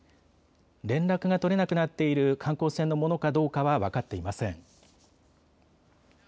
連絡が取れなくなっている観光船のものかどうかは分かっていません。